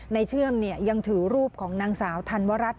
เชื่อมยังถือรูปของนางสาวธันวรัฐ